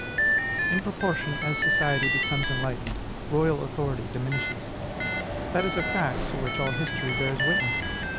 In proportion as society becomes enlightened, royal authority diminishes. That is a fact to which all history bears witness.